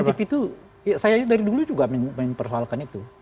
subtantif itu saya dari dulu juga main persoalkan itu